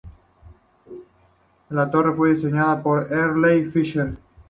La torre fue diseñada por Earle y Fischer.